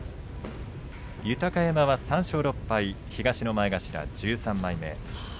豊山は３勝６敗東の前頭１３枚目。